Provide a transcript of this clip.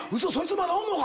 まだおんのか？